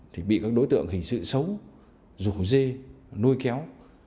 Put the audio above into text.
thì bị các đối tượng hình sự xấu rủ dê nuôi kéo